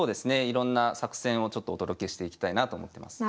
いろんな作戦をちょっとお届けしていきたいなと思ってます。